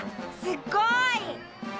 すっごい！